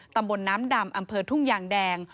ตำบลน้ำดำอำเภอทุ่งยางแดง